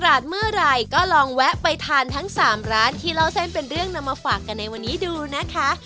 ตลาดเมื่อไหร่ก็ลองแวะไปทานทั้ง๓ร้านที่เล่าเส้นเป็นเรื่องนำมาฝากกันในวันนี้ดูนะคะ